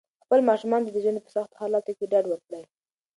خپلو ماشومانو ته د ژوند په سختو حالاتو کې ډاډ ورکړئ.